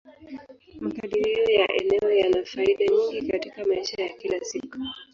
Makadirio ya eneo yana faida nyingi katika maisha ya kila siku.